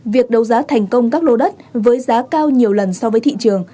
việc đấu giá thành công các lô đất với giá cao nhiều lần so với thị trường